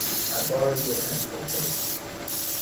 I borrowed your pencil case.